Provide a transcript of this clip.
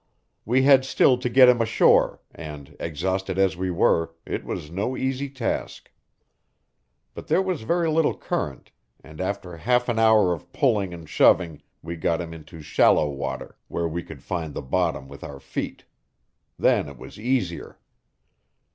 We had still to get him ashore, and, exhausted as we were, it was no easy task. But there was very little current, and after half an hour of pulling and shoving we got him into shallow water, where we could find the bottom with our feet. Then it was easier.